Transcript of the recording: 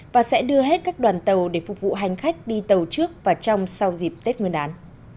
và sẽ đưa hết các đoàn tàu để phục vụ hành khách đi tàu trước và trong sau dịp tết nguyên đán